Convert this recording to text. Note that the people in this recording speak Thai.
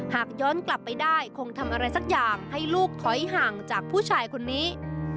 หากย้อนกลับไปได้คงทำอะไรสักอย่างให้ลูกถอยห่างจากผู้ชายคนนี้